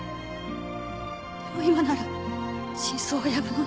でも今なら真相はやぶの中